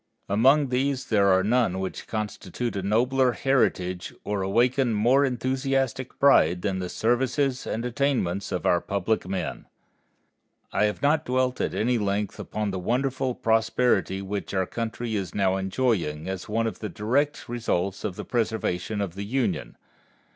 Among these there are none which constitute a nobler heritage or awaken more enthusiastic pride than the services and attainments of our public men. I have not dwelt at any length upon the wonderful prosperity which our country is now enjoying, as one of the direct results of the preservation of the Union.